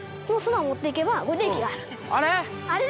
あれ？